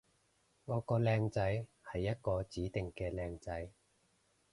我個靚仔係一個指定嘅靚仔